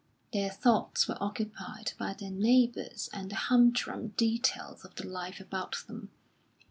Their thoughts were occupied by their neighbours and the humdrum details of the life about them.